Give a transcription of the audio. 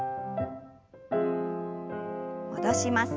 戻します。